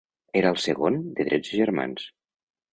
Era el segon de tretze germans.